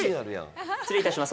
失礼いたします。